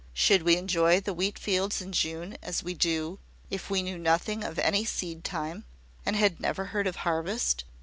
Should we enjoy the wheat fields in June as we do if we knew nothing of seed time, and had never heard of harvest?